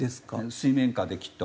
水面下できっと。